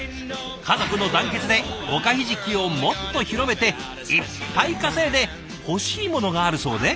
家族の団結でおかひじきをもっと広めていっぱい稼いで欲しいものがあるそうで。